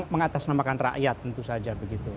mengatasnamakan rakyat tentu saja